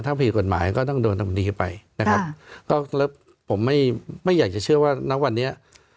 ถ้าผิดกฎหมายก็ต้องโดนธรรมดีไปนะครับผมไม่อยากจะเชื่อว่านักวันนี้